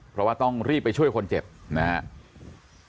เพราะว่าต้องรีบไปช่วยคนเจ็บนะครับ